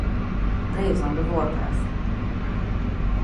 Braves on the Warpath!